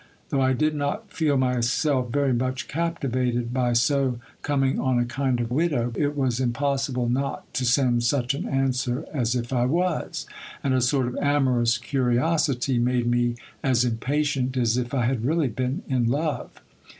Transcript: Though I did not feel myself very much captivated by so coming on a kind of widow, it was im possible net to send such an answer as if I was ; and a sort of amorous curiosity made me as impatient as if I had really been in love.